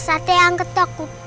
kara yang kacak itu